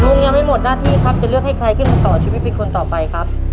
ยังไม่หมดหน้าที่ครับจะเลือกให้ใครขึ้นมาต่อชีวิตเป็นคนต่อไปครับ